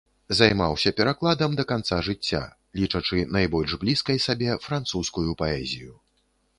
Займаўся перакладам да канца жыцця, лічачы найбольш блізкай сабе французскую паэзію.